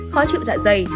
khó chịu dạ dày